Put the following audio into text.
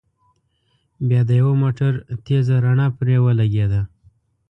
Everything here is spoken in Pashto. بيا د يوه موټر تېزه رڼا پرې ولګېده.